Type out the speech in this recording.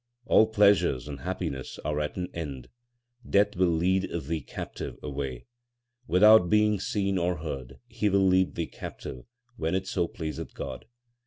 All pleasures and happiness are at an end ; Death will lead thee captive away. Without being seen or heard he will lead thee captive, when it so pleaseth God.